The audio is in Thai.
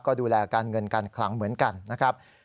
ก็ดูแลการเงินการคลังเหมือนกันนะครับ